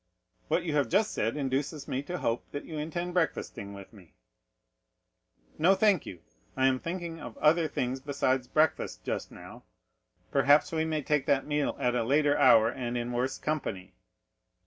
"What you have just said induces me to hope that you intend breakfasting with me." 40092m "No, thank you, I am thinking of other things besides breakfast just now; perhaps we may take that meal at a later hour and in worse company."